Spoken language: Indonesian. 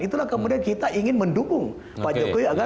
itulah kemudian kita ingin mendukung pak jokowi